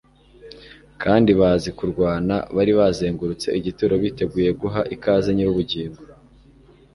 kandi bazi kurwana bari bazengurutse igituro biteguye guha ikaze Nyir'ubugingo.